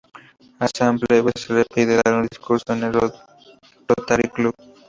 A Sam Peebles se le pide dar un discurso en el Rotary Club.